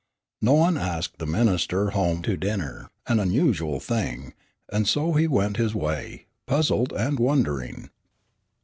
No one asked the minister home to dinner, an unusual thing, and so he went his way, puzzled and wondering.